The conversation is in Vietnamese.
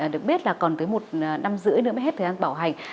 được biết là còn tới một năm rưỡi nữa mới hết thời gian bảo hành